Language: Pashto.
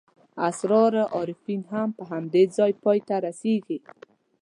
اسرار العارفین هم په همدې ځای پای ته رسېږي.